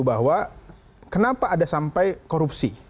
bahwa kenapa ada sampai korupsi